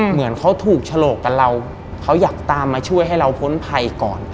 เหมือนเขาถูกฉลกกับเราเขาอยากตามมาช่วยให้เราพ้นภัยก่อน